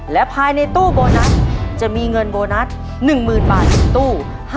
และภายในตู้โบนัสจะมีเงินโบนัส๑๐๐๐บาท๑ตู้